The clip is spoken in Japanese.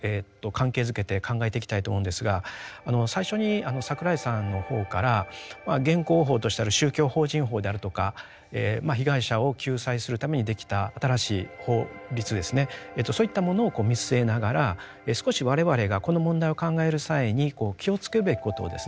関係づけて考えていきたいと思うんですが最初に櫻井さんの方から現行法としてある宗教法人法であるとか被害者を救済するためにできた新しい法律ですねそういったものを見据えながら少し我々がこの問題を考える際に気をつけるべきことをですね